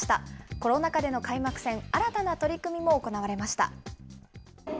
コロナ禍での開幕戦、新たな取り組みも行われました。